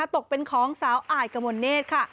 ตกเป็นของสาวอายกมลเนธค่ะ